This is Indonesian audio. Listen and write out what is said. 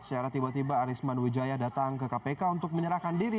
secara tiba tiba arisman wijaya datang ke kpk untuk menyerahkan diri